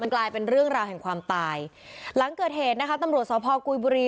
กลายเป็นเรื่องราวแห่งความตายหลังเกิดเหตุนะคะตำรวจสพกุยบุรี